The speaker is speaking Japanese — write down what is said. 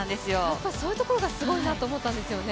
そういうところがすごいなと思ったんですよね